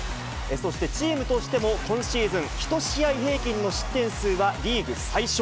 そしてチームとしても、今シーズン、１試合平均の失点数はリーグ最少。